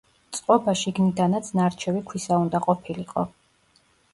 წყობა შიგნიდანაც ნარჩევი ქვისა უნდა ყოფილიყო.